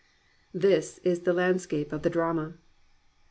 " This is the landscape of the drama.